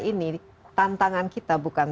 ini tantangan kita bukan